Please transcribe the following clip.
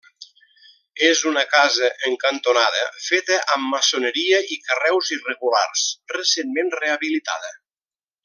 És una casa en cantonada feta amb maçoneria i carreus irregulars, recentment rehabilitada.